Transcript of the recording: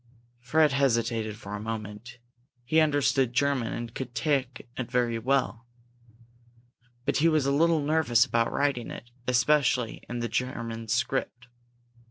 Fred hesitated for a moment. He understood German and could talk it very well. But he was a little nervous about writing it, especially in the German script.